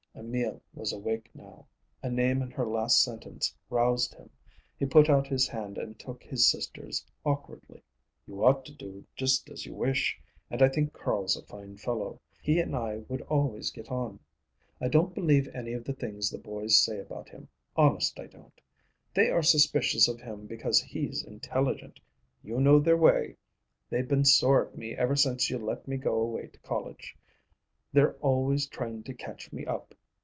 Emil was awake now; a name in her last sentence roused him. He put out his hand and took his sister's awkwardly. "You ought to do just as you wish, and I think Carl's a fine fellow. He and I would always get on. I don't believe any of the things the boys say about him, honest I don't. They are suspicious of him because he's intelligent. You know their way. They've been sore at me ever since you let me go away to college. They're always trying to catch me up.